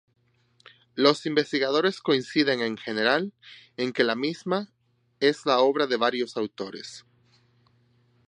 Los investigadores coinciden en general en que la misma es obra de varios autores.